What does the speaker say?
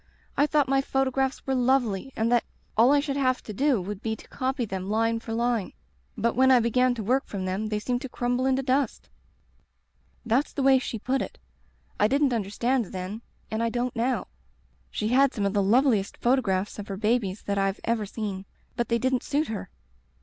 I thought my photo graphs were lovely and that all I should have to do would be to copy them line for line. But when I began to work from them they seemed to crumble into dust* "That's the way she put it. I didn't un derstand then, and I don't now. She had some of the loveliest photographs of her babies that I've ever seen. But they didn't suit her.